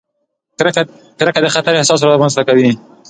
کرکه د خطر احساس رامنځته کوي.